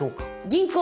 銀行！